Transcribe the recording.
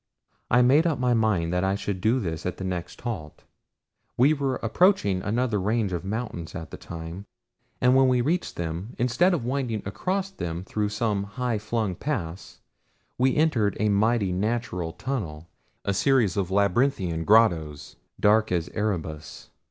I made up my mind that I should do this at the next halt. We were approaching another range of mountains at the time, and when we reached them, instead of winding across them through some high flung pass we entered a mighty natural tunnel a series of labyrinthine grottoes, dark as Erebus.